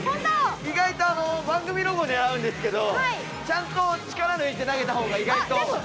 意外と番組ロゴを狙うんですけどちゃんと力抜いて投げたほうが意外と。